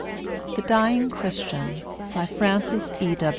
THE DYING CHRISTIAN. BY FRANCES E.